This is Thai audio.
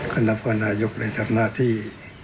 ก็นับว่านายกได้ทำหน้าที่